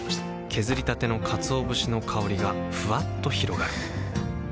削りたてのかつお節の香りがふわっと広がるはぁ。